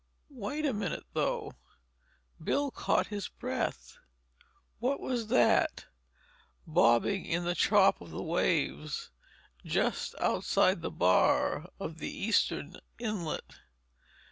Wait a minute, though. Bill caught his breath. What was that—bobbing in the chop of the waves, just outside the bar of the eastern inlet?